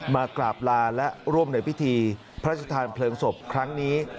มากราบลาและร่วมในพิธีพระราชทานเพลิงศพครั้งนี้